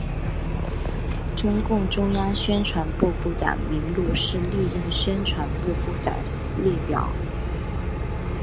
中共中央宣传部部长名录是历任宣传部部长列表。